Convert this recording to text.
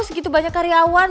segitu banyak karyawan